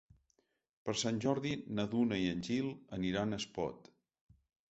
Per Sant Jordi na Duna i en Gil aniran a Espot.